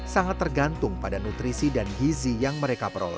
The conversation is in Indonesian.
sangat tergantung pada nutrisi dan gizi yang mereka peroleh